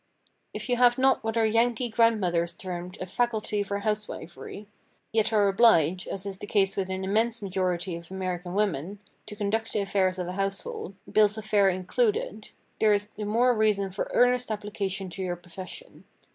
If you have not what our Yankee grandmothers termed a "faculty" for housewifery—yet are obliged, as is the case with an immense majority of American women, to conduct the affairs of a household, bills of fare included—there is the more reason for earnest application to your profession.